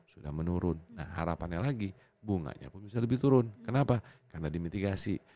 sudah menurun nah harapannya lagi bunganya pun bisa lebih turun kenapa karena dimitigasi